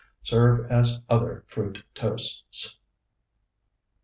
Serve as other fruit toasts.